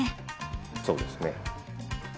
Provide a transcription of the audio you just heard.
そうですね。